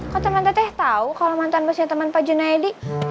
kok temen teteh tau kalau mantan bosnya temen pak junaedi